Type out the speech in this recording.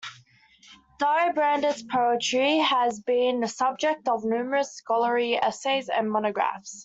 Di Brandt's poetry has been the subject of numerous scholarly essays and monographs.